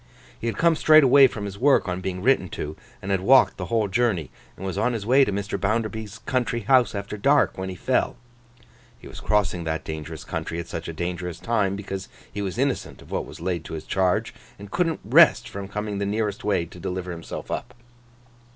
He had come straight away from his work, on being written to, and had walked the whole journey; and was on his way to Mr. Bounderby's country house after dark, when he fell. He was crossing that dangerous country at such a dangerous time, because he was innocent of what was laid to his charge, and couldn't rest from coming the nearest way to deliver himself up.